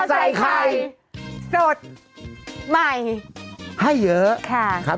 สวัสดีครับ